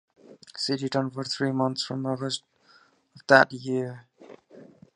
She returned for three months from August of that year.